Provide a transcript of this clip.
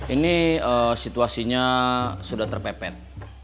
ini situasinya sudah terpepet